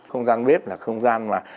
không gian bếp là không gian mà